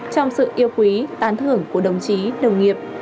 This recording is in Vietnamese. trong sự yêu quý tán thưởng của đồng chí đồng nghiệp